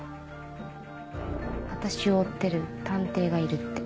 私を追ってる探偵がいるって。